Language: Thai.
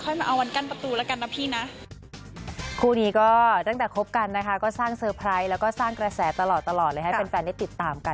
ค่อยมาเอาวันกั้นประตูแล้วกันนะพี่